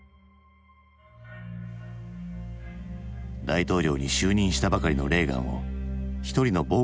大統領に就任したばかりのレーガンを一人の暴漢が襲った。